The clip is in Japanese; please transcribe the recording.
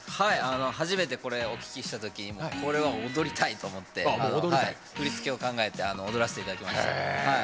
初めてこれを聴いたときこれは、もう踊りたいと思って振り付けを考えて踊らせて頂きました。